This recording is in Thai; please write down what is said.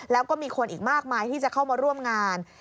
แล้วก็มีคนอีกมากมายที่จะเข้ามาร่วมงาน